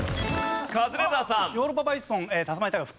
カズレーザーさん。